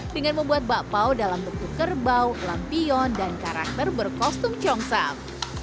dengan membuat bakpao dalam bentuk kerbau lampion dan karakter berkostum congsam